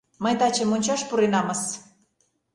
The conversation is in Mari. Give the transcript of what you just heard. Мый таче мончаш пуренамыс...